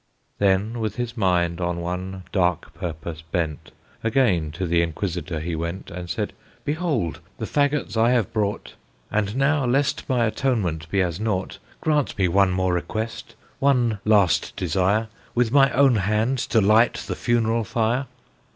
Then with his mind on one dark purpose bent, Again to the Inquisitor he went, And said: "Behold, the fagots I have brought, And now, lest my atonement be as naught, Grant me one more request, one last desire, With my own hand to light the funeral fire!"